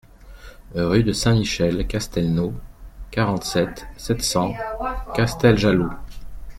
Rue de Saint-Michel Castelnau, quarante-sept, sept cents Casteljaloux